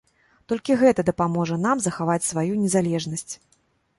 Толькі гэта дапаможа нам захаваць сваю незалежнасць.